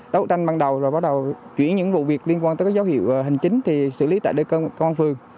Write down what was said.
đấu tranh ban đầu rồi bắt đầu chuyển những vụ việc liên quan tới các dấu hiệu hình chính thì xử lý tại đây công an phường